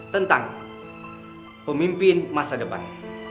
tentang pemimpin masa depan